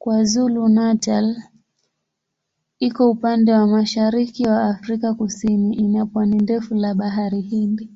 KwaZulu-Natal iko upande wa mashariki wa Afrika Kusini ina pwani ndefu la Bahari Hindi.